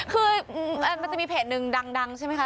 คือมันจะมีเพจหนึ่งดังใช่ไหมคะ